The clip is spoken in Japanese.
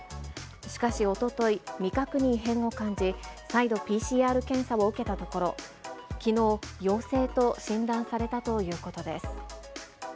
しかしおととい、味覚に異変を感じ、再度、ＰＣＲ検査を受けたところ、きのう陽性と診断されたということです。